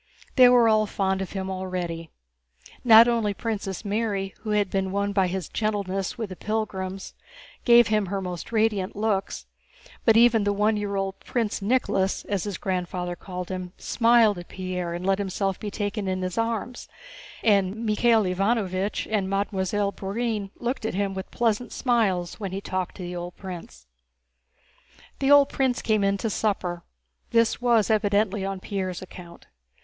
They were all fond of him already. Not only Princess Mary, who had been won by his gentleness with the pilgrims, gave him her most radiant looks, but even the one year old "Prince Nicholas" (as his grandfather called him) smiled at Pierre and let himself be taken in his arms, and Michael Ivánovich and Mademoiselle Bourienne looked at him with pleasant smiles when he talked to the old prince. The old prince came in to supper; this was evidently on Pierre's account.